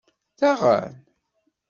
Daɣen?!